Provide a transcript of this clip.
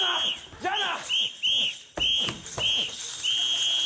じゃあな！